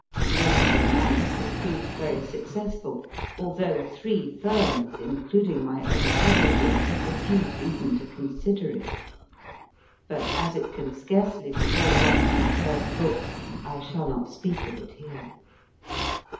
This romance has proved very successful, although three firms, including my own publishers, refused even to consider it. But as it can scarcely be called one of my first books, I shall not speak of it here.